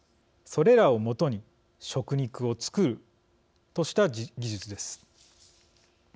それらをもとに食肉を作るとした技術です。